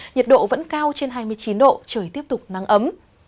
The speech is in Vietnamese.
nhiệt độ vẫn cao trên hai mươi chín độ trời tiếp tục nắng ấm